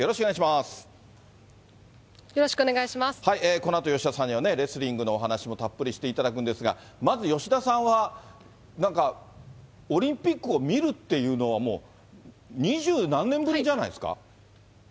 このあと吉田さんには、レスリングのお話もたっぷりしていただくんですが、まず吉田さんは、なんかオリンピックを見るっていうのは、もう二十何年ぶりじゃないですか？